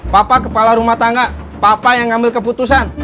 bapak kepala rumah tangga bapak yang ngambil keputusan